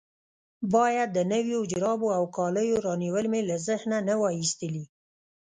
باید د نویو جرابو او کالو رانیول مې له ذهنه نه وای ایستلي.